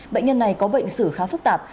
bệnh nhân này có bệnh sử khá phức tạp